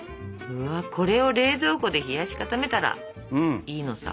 これを冷蔵庫で冷やし固めたらいいのさ。